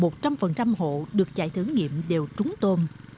thật bất ngờ là gần như một trăm linh hộ được chạy thử nghiệm đều trúng tôm